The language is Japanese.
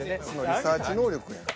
リサーチ能力やん。